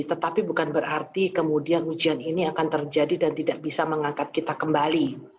tetapi bukan berarti kemudian ujian ini akan terjadi dan tidak bisa mengangkat kita kembali